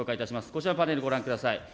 こちらのパネル、ご覧ください。